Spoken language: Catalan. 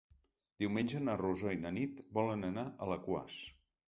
Diumenge na Rosó i na Nit volen anar a Alaquàs.